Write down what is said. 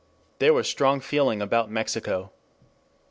There was strong feeling about Mexico.